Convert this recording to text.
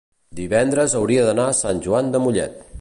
divendres hauria d'anar a Sant Joan de Mollet.